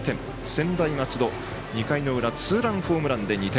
専大松戸、２回の裏ツーランホームランで２点。